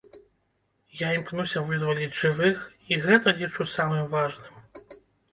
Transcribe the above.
Я імкнуся вызваліць жывых, і гэта лічу самым важным.